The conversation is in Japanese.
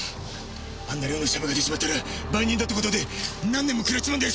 あんな量のシャブが出ちまったら売人だってことで何年もくらっちまうんだよ。